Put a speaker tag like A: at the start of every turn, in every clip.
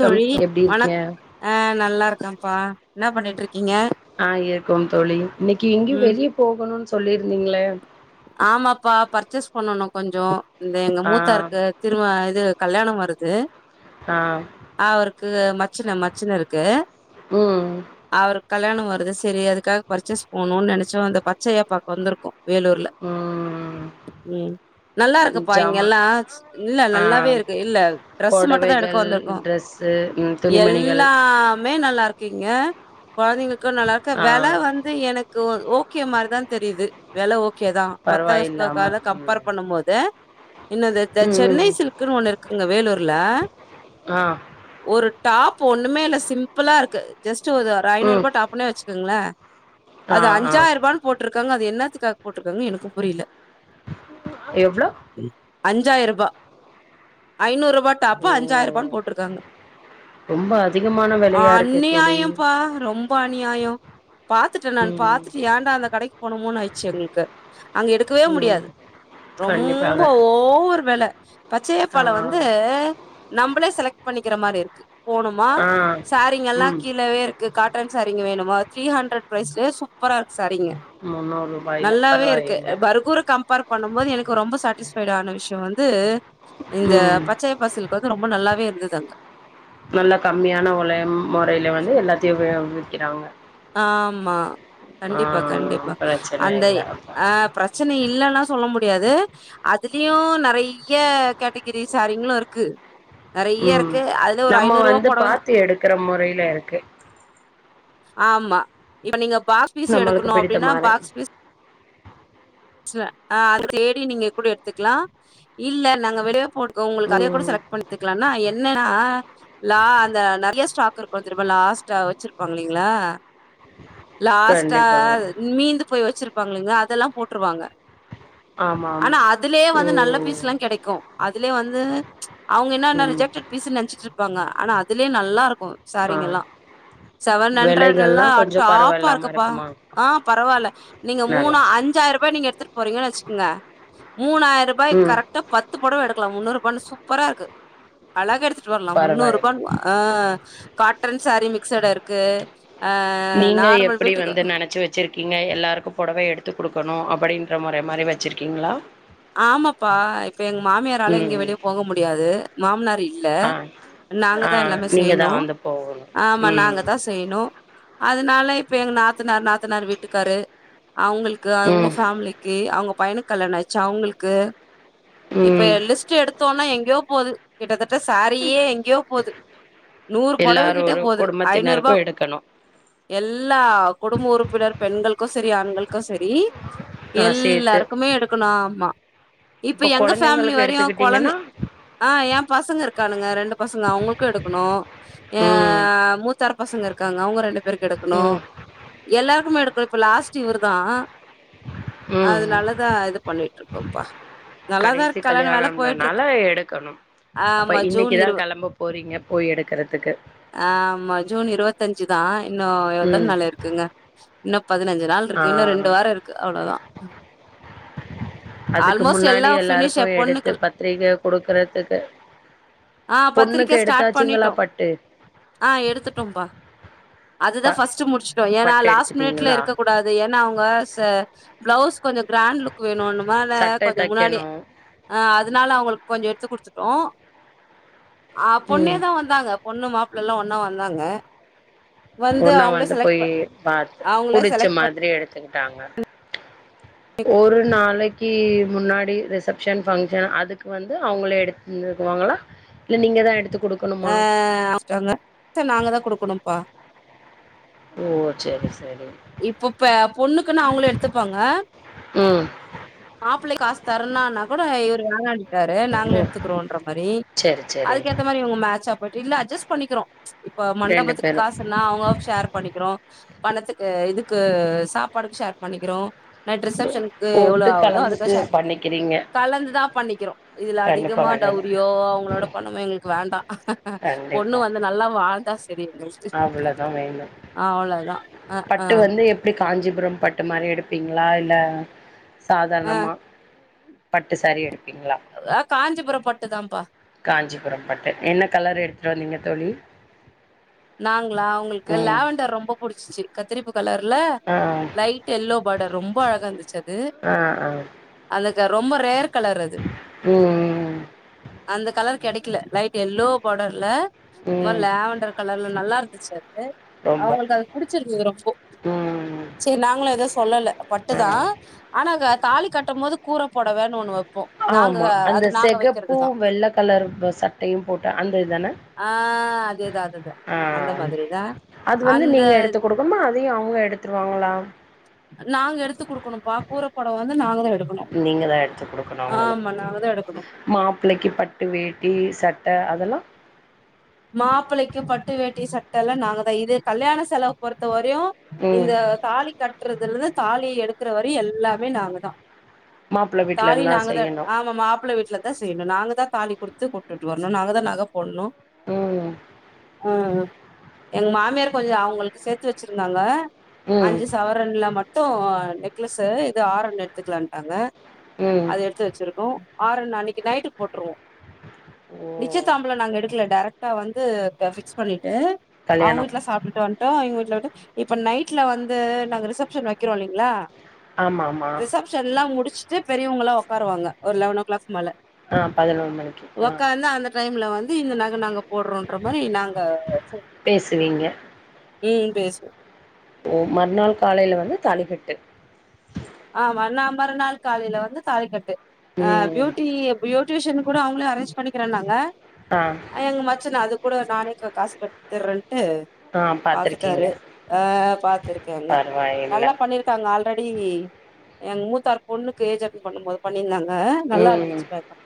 A: Come எப்டி
B: வணக்
A: இருக்கீங்க
B: ஆ நல்லா இருக்கம்பா
A: ஆ இருக்கோ தோழி இன்னைக்கு எங்கேயோ
B: ம்
A: வெளியே போகணுனு சொல்லியிருந்தீங்களே
B: ஆமாப்பா பர்ச்சேஸ் பண்ணனு கொஞ்சொ இந்தா எங்க
A: ஆ
B: மூத்தாருக்கு திரும்ப இது கல்யாண வருது
A: ஆ
B: அவருக்கு மச்சின மச்சினருக்கு
A: ம்
B: அவருக்கு கல்யாண வருது சரி அதுக்காக பர்ச்சேஸ் போணும்னு நினைச்சு வந்தோ பச்சையாப்பாக்கு வந்திருக்கோ வேலூர்ல
A: உ
B: உ நல்லா இருக்குப்பா இங்கலா இல்ல
A: ஆ
B: நல்லாவே இருக்கு இல்ல ட்ரெஸ்சு மட்டு தா எடுக்க
A: பொடவைகள்
B: வந்திருக்கோ
A: ட்ரெஸ்ஸு ம் துணிமணிகள்
B: எல்லா எல்லாமே நல்ல இருக்கு இங்க குழந்தைங்களுக்கு நல்லா இருக்க
A: ஆ
B: வில வந்து வில எனக்கு ஓகே மாதிரிதா தெரியுது வில ஓகே ஓகேதா
A: பரவாயில்லாம
B: மத்தக்கட
A: ம்
B: கம்பேர் பண்ணு போது இன்னொ இந்த த
A: ம்
B: சென்னை
A: ம்
B: சில்க்கன்னு ஒண்ணு இருக்குங்க வேலூர்ல
A: ஆ
B: ஒரு டாப் ஒண்ணுமே இல்ல சிம்பிளா இருக்கு ஜஸ்ட் ஒரு ஐநூறு
A: ம்
B: ரூபா டாப்புனே வச்சுக்கோங்களே
A: ஆ
B: அது
A: ஆ
B: அஞ்சாயிர ரூபான்னு போட்டிருக்காங்க அது என்னத்துக்காக போட்டிருக்காங்க எனக்கு புரியல
A: எவ்ளோ
B: அஞ்சாயிர ரூபாய் ஐநூறு ரூபாயா
A: ஓ
B: டாப்பா அஞ்சாயிர ரூபானு போட்டிருக்காங்க
A: ரொம்ப அதிகமான
B: ஆ
A: வெலையா இருக்கே தோழி
B: அநியாயம்ப்பா ரொம்ப பாணியாம் பாத்துட்டே நா
A: ம்
B: பாத்துட்டு ஏன்டா அந்த கடைக்கு போனமோனு ஆயிடுச்சு எங்களுக்கு அங்கே எடுக்கவே
A: ம்
B: முடியாது ரொம்ப
A: கண்டிப்பாக
B: ஓவர் வேல
A: ஆ
B: பச்சையப்பல வந்து நம்மளே செலக்ட் பண்ணிக்கிற மாரி இருக்கு போணமா
A: ஆ
B: சாரிங்கல்லா
A: ம்
B: கீழேவே இருக்கு காட்டன் சாரீங்க வேணுமா த்ரீ ஹண்ட்ரட் ப்ரைஸ்லயே சூப்பரா இருக்கு சாரீங்க
A: மன்னாரு
B: நல்லாவே இருக்கு பர்கூர் கம்பேர் பண்ணு போது எனக்கு ரொம்ப சாட்டிஸ்பைட் ஆன விஷயோ வந்து இங்க
A: ம்
B: பச்சையப்பா சில்க் வந்து ரொம்ப நல்லாவே இருந்தது அங்க
A: நல்லா கம்மியான உல முறையில வந்து எல்லாத்தையு விக்கிறாங்க
B: ஆமா
A: ஆ
B: கண்டிப்பா கண்டிப்பா
A: பிரச்சன
B: அந்த
A: இல்ல அப்ப
B: அ பிரச்சனை இல்லன்னா சொல்ல முடியாது அதுலயு நிறைய நிறைய கேட்டகிரி சாரிங்களு இருக்கு நிறைய இருக்கு அதுல ஒரு ஐநூறு ரூபா புடவா
A: இருக்கிற முறையில இருக்கு
B: ஆமா இப்ப நீங்க பாக்ஸ் பீஸ்
A: நம்மளுக்கு
B: எடுக்கணு
A: பிடித்த
B: அப்டின்னா
A: மாரி
B: பாக்ஸ் பீஸ் அது தேடி நீங்க கூட எடுத்துக்கலா இல்ல நாங்க வெள போ உங்களுக்கு அத கூட
A: ம்
B: செலக்ட் பண்ணிக்கலா என்னன்னா லா அந்த நிறைய ஸ்டாக் இருக்கு ர லாஸ்டா வச்சிருப்பாங்கங்களா லாஸ்டா
A: கண்டிப்பா
B: மீந்து போய் வச்சிருப்பாங்கிங்க அதெல்லா போட்டுருவாங்க
A: ஆமா ஆமா
B: ஆனா அதுலயே வந்து நல்ல
A: ம்
B: பீஸ் எல்லா கிடைக்கு அதுலயே வந்து அவுங்க என்ன என்ன
A: ம்
B: ரிஜெக்டட் பீஸ்ன்னு நெனைச்சிட்டு இருப்பாங்க ஆனா அதுலயே நல்லா இருக்கு
A: ஆ
B: சாரிங்கல்லா செவன் ஹண்ட்ரட்
A: விலைகள்லா
B: எல்லா
A: கொஞ்சோ
B: டாப்பா
A: பரவாயில்லாம
B: இருக்கப்பா
A: இருக்குமா
B: ஆ பரவாயில்ல நீங்க
A: நல்லா
B: மூணா அஞ்சாயிர ரூபாய் நீங்க எடுத்து போறீங்கன்னு வச்சுக்கோங்க மூணாயிர ரூபாய்க்
A: ம்
B: கரெக்ட் பத்து புடவ எடுக்கலா முன்னூறுபான்னு சூப்பரா இருக்கு அழகா எடுத்துட்டு வரலா முன்னூறு
A: பரவாயில்ல
B: ரூபான்னு ஆ காட்டன் சாரீ மிக்சட இருக்கு அ நார்மல் வீட்டுக்கு
A: வெச்சுருக்கீங்க எல்லாருக்கு புடவை எடுத்து குடுக்கணு அப்படின்ற முறை மாதிரி வெச்சுருக்கீங்களா
B: ஆமாப்பா இப்ப எங்க மாமியாராலு
A: ம்
B: எங்கியு
A: ம்
B: வெளியே போக முடியாது மாமனார் இல்ல
A: ஆ
B: நாங்க
A: ஆ
B: தா எல்லாமே
A: நீங்க தா
B: செய்ணு
A: வந்து போகணு
B: ஆமா
A: ம்
B: நாங்க தா ஸ் செய்ணு அதனால இப்ப எங்க நாத்தனார் நாத்தனார் வீட்டுக்காரு அவ்ங்ளுக்கு அவ்ங்க
A: ம்
B: ஃபேம்லிக்கு அவ்ங்க பையனுக்கு கல்யாணோ ஆயிச்சி அவ்ங்ளுக்கு இப்ப
A: ம்
B: லிஸ்ட் எடுத்தோனா எங்கேயோ போது கிட்டத்தட்ட சாரியே எங்கேயோ போது நூறு பொடவ கிட்டே
A: எல்லாரோரு
B: போது ஐந்நூறு ரூபா
A: குடும்பத்தினருக்கு எடுக்கணு
B: எல்லா குடும்ப உறுப்பினர் பெண்களுக்கு சரி ஆண்கள் க்கு சரி
A: ஆ சேத்து
B: எல்லாருக்குமே எடுக்கணு ஆம்மா இப்ப எங்க ஃபேம்லி
A: கொழந்தைங்களுக்கு
B: வெரியு கொழந்த
A: எடுத்துக்கிட்டீங்கன்னா
B: ஆ ஏன் பசங்க இருக்கானுங்க ரெண்டு பசங்க அவங்களுக்கு எடுக்கணு ஆ
A: ம்
B: மூத்தார் பசங்க இருக்காங்க அவங்க ரெண்டுப் பேருக்கு எடுக்கணு
A: ம்
B: எல்லாருக்குமே எடுக்கணு இப்ப லாஸ்ட் இவர் தா
A: ம்
B: அதனாலதா இது பண்ணிட்டு இருக்கோம்பா
A: கடைசி கல்யாணோன்றனால எடுக்கணு அப்ப
B: ஆமா ஜூன்
A: இன்னைக்குதா
B: இருவ
A: கெளம்ப போறீங்க போய் எடுக்கறதுக்கு
B: ஆமா ஜூன் இருவத்தஞ்சு தா இன்னோ
A: ம்
B: எத்தன்நாள் இருக் குங்க இன்னு பதினஞ்சு நாள் இருக்கு இன்னு
A: ஆ
B: ரெண்டு வார இருக்கு அவ்ளோதா
A: அதுக்கு
B: ஆல்மோஸ்ட்
A: முன்னாடி
B: எல்லாம் ஃபினிஷ் என்
A: எல்லாருக்கு எடுத்து
B: பொண்ணுக்கு
A: பத்திரிக குடுக்குறதுக்கு
B: ஆ பத்திரிக்க
A: பொண்ணுக்கு
B: ஸ்டார்ட்
A: எடுத்தாச்சிங்களா
B: பண்ணிட்டோம்.
A: பட்டு
B: ஆ எடுத்துட்டோம்பா
A: ப
B: அதுதா ஃபர்ஸ்ட்டு முடிச்சிட்டோ ஏனா
A: பட்டு
B: லாஸ்ட் மினிட்ல
A: எடுத்துட்டீங்களா
B: இருக்க கூ டாது ஏனா அவுங்க ஸ் பிளவுஸ் கொஞ்ச கிராண்ட் க்கு வேணோன்னுமால
A: சட்ட
B: கொஞ்ச முன்னாடி
A: தைக்கணு
B: அ அதுனால அவ்ங்களுக்கு கொஞ்சோ எடுத்து குடுத்துட்டோ ஆ
A: ம்
B: பொண்ணேதா வந் தாங்க பொண்ணு மாப்புள்ளல்லா ஒன்னா வந்தாங்க
A: ஒன்னா
B: அவங்களே
A: வந்து
B: செலக்ட்
A: போயி
B: பண்
A: பாத்து
B: அவங்களே
A: புடிச்ச
B: செலக்ட் பண்
A: மாதிரி எடுத் தின்டாங்க ஒரு நாளைக் கி முன்னாடி ரிசப்ஷன் பஃங்க்ஷன் அதுக்கு வந்து அவங்களே எடுத்து தந்துருவாங்களா இல்ல நீங்க தா எடுத்து குடுக்
B: ஆ [unintelligible] நாங்க தா குடுக்கணும்ப்பா
A: ஓ செரி செரி
B: இப்ப ப பொண்ணுக்குன்னா அவங்ளே எடுத்துப்பாங்க
A: ம்
B: மாப்பிளை காசு தரனான்னா கூட இவரு வேனான் டாரு நாங்களே
A: ஓ
B: எடுத்துக்குறோன்ற மாரி
A: செரி செரி
B: அதுக்கேத்த மாரி இவங்க மேட்சா போச்சு இல்ல அட்ஜஸ்ட் பண்ணிக்கிறோ இப்ப
A: ரெண்டு
B: மண்டபத்துக்கு
A: பேரு
B: காசுன்னா அவங்க ஷேர் பண்ணிக்குறோ பணத்துக்கு இதுக்கு சாப்பாடுக்கு ஷேர் பண்ணிக்கிறோ நைட் ரிசப்ஷனுக்கு எவ்ளோ
A: போட்டு
B: ஆவுதோ அதுக்கு
A: கலந்துட்டு
B: ஷேர்
A: பண்ணிக்கிறீங்க
B: கலந்துதா பண்ணிக்கிறோ இதுல
A: கண்டிப்பா
B: அதிகமா
A: கண்டிப்பா
B: டவுரியோ அவங்களோட பணமு எங்களுக்கு வேண்டா பொண்ணு வந்து நல்லா வாழ்ந்தா சரி எங்களுக்
A: அவ்ளோதா வேணு
B: அ அ
A: பட்டு வந்து எப்டி காஞ்சிபுரம் பட்டு மாரி எடுப்பீங்களா இல்ல சாதாரணமா பட்டு ஷேரி எடுப்பீங்ளா
B: ஆ காஞ்சிபுரம் பட்டுதாம்பா
A: காஞ்சிபுரம் பட்டு என்ன கலர் எடுத்துட்டு வந்தீங்க தோழி
B: நாங்களா அவுங்களுக்கு
A: ம்
B: லாவண்டர் ரொம்ப புடிச்சிச்சு கத்திரிப்பு கலர்ல
A: ஆ
B: லைட் எல்லோ பாடர் ரொம்ப அழகா இருந்துச்சு அது
A: ஆ ஆ
B: அலுகா ரொம்ப ரேர் கலர் அது
A: ம் ம்
B: அந்த கலர் கெடைக்கல லைட் எல்லோ பாடர்ல இந்த மாரி
A: ம்.
B: லேவண்டர் அவ்ளோ நல்லா இருந்துச்சு அது
A: ரொம்ப
B: அவுங்களுக்கு அது புடிச்சிருந்தது ரொம்போ
A: ம்
B: சரி நாங்களு எதவ் சொல்லல
A: ஆ
B: பட்டுதா ஆனா தாலி கட்டும் போது கூர பொடவன்னு ஒண்ணு வ
A: ஆமா அந்த செகப்பு வெள்ள கலர் சட்டையு போட்ட அந்த இதுதான
B: ஆ அதேதா அதேதா
A: ஆ அது வந்து
B: அந்த
A: நீங்க எடுத்து கொடுக்கனுமா அதையு அவுங்க எடுத்துருவாங்களா
B: நாங்க எடுத்து கொடுக்கணும்ப்பா கூறப்பொடவ வந்து நாங்க தா எடு
A: நீங்கதா எடுத்து குடுக்கணு அவுங்களுக்கு
B: நாங்கதா எடுக்கணு
A: மா ப்பிள்ளைக்கு பட்டு வேட்டி சட்ட அதெல்லா
B: மாப்பிளைக்கு பட்டு வேட்டி சட்ட எல்லா நாங்க தா இது கல்யாண செலவ பொறுத்த வரையு
A: ம்
B: இந்த தாலி கட்டுறதுலருந்து தாலிய எடுக்கற வரையு எல்லாமே நாங்க தா
A: மாப்பிள்ள வீட்ல
B: தாலி
A: இருந்தா
B: நாங்கதா
A: செய்யணு
B: ஆமா மாப்பிள்ள வீட்ல த செய்ணு நாங்க தா தாலி குடுத்து கூட்டுட்டு வரணு நாங்க தா நக போடணு
A: ம்
B: ம் எங்க மாமியார் கொஞ்சோ அவங்களுக்கு சேத்து வெச்சிருந்தாங்க
A: ம்
B: அஞ்சு சவர ரன்லா மட்டு நெக்லஸ்சு இது ஆரோ எடுத்துக்லாண்டாங்க
A: ம்
B: அது எடு த்து வெச்சிருக்கோ ஆரோ அன்னிக்கி நைட்டுக்கு போட்டுருவோ
A: ஓ
B: நிச்சய தாம்புல நாங்க எடுக்கல டேரக்ட் டா வந்து ஃபிக்ஸ் பண்ணிட்டு அவுங்க
A: கல்யாணோ
B: வீட்டுல சாப்பிட்டுட்டு வன் டோ எங்க வீட்டுல விட்டு இப்ப நைட்ல வந்து நாங்க ரிசப்ஷன் வைக்கிறோ இல்லைங்களா
A: ஆமா ஆமா
B: ஃபங்ஷன்லா முடிச்சிட்டு பெரியவங்களா உக்காருவாங்க ஒரு லெவன் ஓ கிளாக் மேல
A: ஆ பதினோரு மணிக்கு ஆ
B: ஒக்காந்து அந்த டைம்ல வந்து இந்த நக நாங்க போடுறோன்ற மாரி நாங்க
A: பேசுவீங்க
B: ம் பேசுவோ
A: ஓ மறுநாள் காலையில வந்து தாலிகட்டு
B: ஆ மாறுநா மறுநாள் காலையில வந்து தாலிக்கட்டு அ
A: ம்
B: பியூட்டி பியூ டியூஷன் கூடு அவுங்களே அரேஞ்ச் பண்ணுகிறேனாங்க
A: அ
B: எங்க மச்சன அது கூட நானே க காசு கட்டுத்தறன்ட்டு
A: ஆ பாத்துருக்கீங்க
B: பாத்துட்டாரு ஆ பாத்துருக்கேங்க
A: பரவாயில்ல
B: நல்லா பண்ணிரு க்காங்க ஆல்ரெடி எங்க மூத்தார் பொண்ணுக்கு ஏஜ் அடென்ட் பண்ணும் போது பண்ணி இருந்தாங்க நல்லா
A: ம்
B: இருந்துச்சு மேக் அப்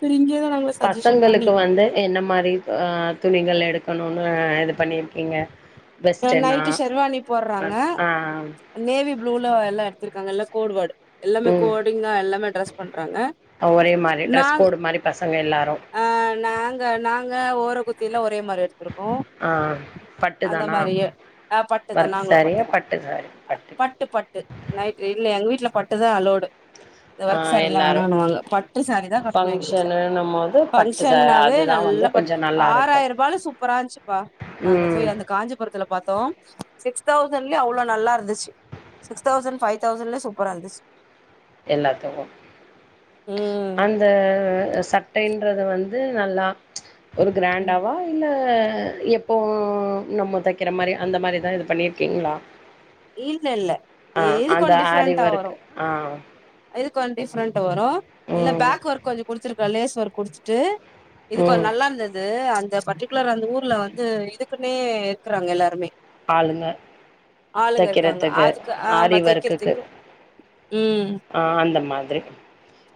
B: சேரி இங்கே தா
A: பசங்களுக்கு வந்து என்ன மாரி அ துணிகள் எடுக்கணோனு இது பண்ணியிருக்கீங்க
B: நைட்டு ஷெர்வாணி போர்றாங்க
A: ஆ
B: நேவி ப்ளூல எல்லா எடுத்திருக்காங்க எல்லா கோடுவர்ட் எல்லாமே
A: ம்
B: கோடிங்கா எல்லாமே ட்ரெஸ் பண்றாங்க
A: ஒரே மாரி ட்ரெஸ்
B: நாங்
A: கோடு மாரி பசங்க எல்லாரு
B: ஆ நாங்க நாங்க ஓர கொத்தியல்லா ஒரே மாரி எடுத்திருக்கோ
A: ஆ பட்டு
B: அந்த
A: தானா
B: மாரியே ஆ பட்டுதா
A: ஒர்க்
B: நாங்களு
A: சாரியா
B: பட்டுதா
A: பட்டு சாரி பட்டு
B: பட்டு பட்டு நைட் இல்ல எங்க வீட்ல பட்டுதா அல்லோடு இந்த
A: ஆ
B: ஒர்க் சாரீல்லா
A: எல்லாரு
B: வேணாணுவாங்க பட்டு சாரீ தா கட்ணு எங்க வீட்ல
A: ஃபங்க்ஷனுன்னும் போது பட்டு சா
B: ஃபங்ஷன்னாவே
A: அதுதா வந்து
B: நல்லா பட்
A: கொஞ்ச நல்லாருக்கு
B: ஆறாயிர ரூபால சூப்பரா இருந்துச்சுப்பா நாங்க
A: ம்
B: போய் அந்த காஞ்சிபுரத்துல பாத்தோ சிக்ஸ் தௌசண்ட்லயே அவ்ளோ நல்லா இருந்துச்சு சிகஸ் தௌசண்ட் ஃபைவ் தௌசண்ட்ல சூப்பரா இருந்துச்சி
A: எல்லாத்துக்கு
B: ம்
A: அந் இந்த சட்டைன்றது வந்து நல்லா ஒரு
B: ம்
A: கிராண்டாவா இல்ல எப்போ நம்ம தைக்கிற மாரி அந்த மாரி தா இது பண்ணியிருக்கீங்ளா
B: இல்ல இல்ல இது
A: அந்த
B: கொஞ்
A: ஆரி
B: டிஃப்ரெண்ட்டா வரு
A: ஒர்க்கு ஆ
B: இது கொஞ் டிஃப்ரண்ட் வரு இல்ல
A: ம்
B: பேக் ஒர்க் கொஞ்சோ குடுத்திருக்க லேஸ் ஒர்க் குடுத்துட்டு இது கொஞ்
A: ம்
B: நல்லாருந்தது அந்த பட்டி ரெக்குலர் அந்த ஊர்ல வந்து இதுக்குன்னே இருக்குறாங்க எல்லாருமே
A: ஆளுங்க
B: ஆளுங்க இருக்காங்க
A: தைக்கிறதுக்கு
B: அதுக்கு
A: ஆரி
B: ஆமா
A: ஒர்க்குக்கு
B: தைக்கிறதுக்கு ம்
A: ஆ அந்த மாதிரி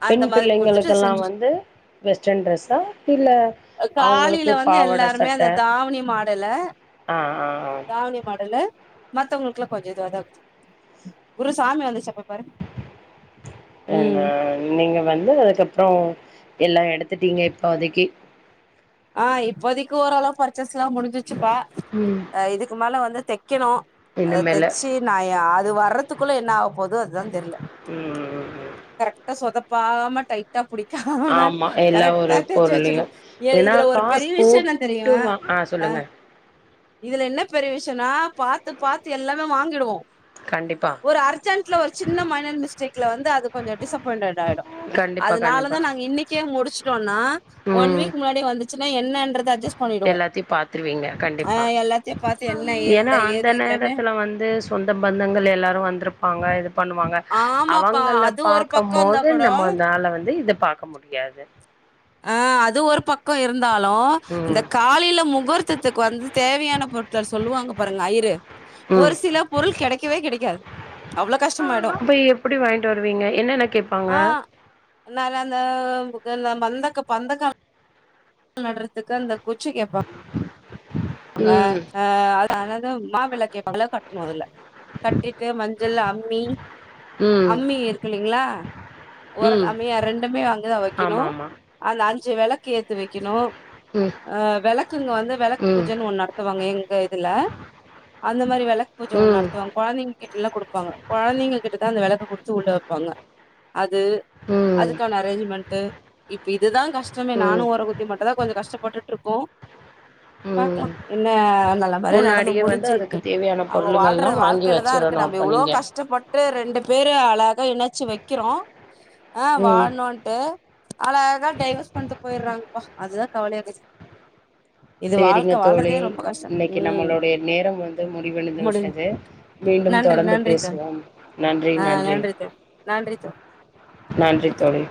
A: பெண்
B: அந்த மாதிரி குடுத்துட்டு
A: பிள்ளைங்களுக்கெல்லா
B: செஞ்சு
A: வந்து வெஸ்டர்ன் ட்ரெஸ்சா இல்ல அவங்களுக்கு
B: காலையில வந்து
A: பாவாட
B: எல்லாருமே
A: சட்ட
B: அந்த தாவணி மாடல்ல
A: ஆ ஆ ஆ
B: தாவணி மாடலு மத்தவங்களுக்குலா கொஞ்சோ இதுவா தா இருக்கு
A: என்னா நீங்க வந்து அதுக்கப்றோ எல்லா எடுத்துட்டீங்க இப்போதிக்கி
B: ஆ இப்போதைக்கு ஓரளவு பர்ச்சேஸ் எல்லா முடிஞ்சிச்சுப்பா
A: ம்
B: இதுக்கு மேல வந்து தைக்கணு அ
A: இனிமேலு
B: தெச்சி நா அ அது வர்றதுக்குள்ள என்ன ஆவ போதோ அதா தெர்ல
A: ம்
B: கரெக்டா சொதப்பாம டைட்டா புடிக்காம
A: ஆமா எல்லா ஒரு
B: கரெக்டா தெச்சு வெச்சிட
A: பொருளையு ஏன்னா
B: இதுல ஒரு
A: காசு
B: பெரிய விஷய என்ன
A: போட்டு
B: தெரியமா
A: வா ஆ சொல்லுங்க
B: இதுல என்ன பெரிய விஷயன்னா பாத்து பாத்து எல்லாமே வாங்கிடுவோ
A: கண்டிப்பா
B: ஒரு அர்ஜென்ட்ல ஒரு சின்ன மைனர் மிஸ்டேக்ல வந்து அது கொஞ்சோ டிசப்பாயிண்ட்டட் ஆயிடு
A: கண்டிப்பா கண்டிப்பா
B: அதுனாலதா நாங்க இன்னைக்கே முடிச்சுட்டோன்னா ஒன்
A: ம்
B: வீக் முன்னாடி வந்துச்சுன்னா என்னன்றது அட்ஜஸ்ட் பண்ணிடுவோ
A: எல்லாத்தையு பாத்துருவீங்க
B: ஆ
A: கண்டிப்பா
B: எல்லாத்தையு பாத்து என்ன இல்ல
A: ஏன்னா அந்த
B: ஏது இல்லன்னு
A: நேரத்துல வந்து சொந்த பந்தங்கள் எல்லாரு வந்திருப்பாங்க இது பண்ணுவாங்க
B: ஆமாப்பா
A: அவுங்கள
B: அது ஒரு
A: பாக்கும்
B: பக்கோ இருந்தா
A: போது
B: கூட
A: நம்மனால வந்து இது பாக்க முடியாது
B: அ அது ஒரு பக்க இருந்தாலு இந்த
A: ம்
B: காலைல முகூர்த்தத்துக்கு வந்து தேவையான பொருட்கள் சொல்லுவாங்க பாருங்க ஐயரு
A: ம்
B: ஒரு சில பொருள் கிடைக்கவே கிடைக்காது
A: அப்ப எப்டி வாங்கிட்டு வருவீங்க என்ன என்ன கேப்பாங்க
B: என்னால அந்த மொதல பந்த பந்த கால் நட்றதுக்கு தா அந்த குச்சி கேப்பாங்க ஆ
A: ம்
B: அ அதனால மா இல கேப்பாங்க மா இல கட்டணு அதுல கட்டிட்டு மஞ்சள் அம்மி
A: ம்
B: அம்மி இருக்கு இல்லைங்ளா ஒரு
A: ம்
B: அம்மியா ரெண்டு அம்மிய அங்கதா வைக்கணு
A: ஆமா ஆமா
B: அந்த அஞ்சு விளக்கு ஏத்து வைக்கணு
A: ம்
B: அ விளக்குங்க வந்து விள
A: ம்
B: உ நடத்துவாங்க எங்க இதுல அந்த மாரி விளக்கு பூஜ ஒன்னு
A: ம்
B: நடத்துவாங்க கொழந்தைங்க கிட்ட எல்லா குடுப்பாங்க கொழந்தங்க கிட்டதா அந்த விளக்கு குடுத்து உள்ள வெ ப்பாங்க அது
A: ம்
B: அதுக்கான அரேஞ்ச்மெண்ட்டு இப்ப இதுதா கஷ்டமே நானு
A: ம்
B: ஒரக்கு தி மட்டும் தா கொஞ்சோ கஷ்டப்பட்டுட்டு இருக்கோ பாக்கலா
A: ம்
B: என்ன நல்ல மாறியா நடந்து
A: முன்னாடியே வந்து
B: முடிஞ்சு
A: அதுக்கு தேவையான
B: அவங்க
A: பொருளுங்கள்லா
B: வாழ்ற
A: வாங்கி
B: வாழ்க்கையில தா இருக்கு
A: வச்சிரணு
B: நம்
A: அப்ப
B: எவ்ளோ
A: நீங்க
B: கஷ்டப்பட்டு ரெண்டு பேர அழகா இணைச்சு வெக்கிறோ அ
A: ம்
B: வாழணுன்ட்டு அழகா டைவர்ஸ் பண்ட்டு போயிடுறாங்கப்பா அதுதான் கவலையா போச்
A: சேரிங்க தோழி
B: ரொம்ப கஷ்டம்
A: இன்னைக்கு
B: ம்
A: நம்மளுடைய நேரம் வந்து முடிவடைந்து
B: முடிஞ்
A: விட்டது மீண்டும்
B: நன்றி
A: தொடர்ந்து
B: நன்றி தோழி
A: பேசுவோம் நன்றி
B: ஆ
A: நன்றி
B: தோழி நன்றி தோழி
A: நன்றி தோழி